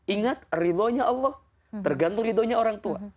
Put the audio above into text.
ingat ridhonya allah tergantung ridhonya orang tua